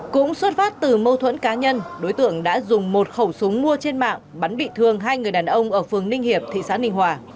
cũng xuất phát từ mâu thuẫn cá nhân đối tượng đã dùng một khẩu súng mua trên mạng bắn bị thương hai người đàn ông ở phường ninh hiệp thị xã ninh hòa